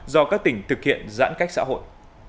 do các tỉnh thực hiện giãn cách xã hội